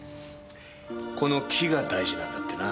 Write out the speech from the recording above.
この木が大事なんだってな。